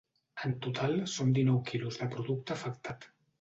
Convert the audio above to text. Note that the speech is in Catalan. En total són dinou quilos de producte afectat.